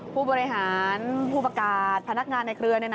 ผู้บริหารผู้ประกาศพนักงานในเครือ